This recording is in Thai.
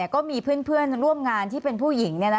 ก็มีเพื่อนร่วมงานที่เป็นผู้หญิง